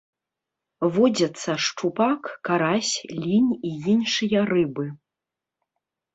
Водзяцца шчупак, карась, лінь і іншыя рыбы.